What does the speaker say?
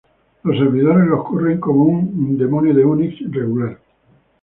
Los servidores lo corren como un Unix daemon regular.